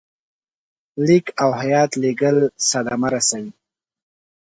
لیک او هیات لېږل صدمه رسوي.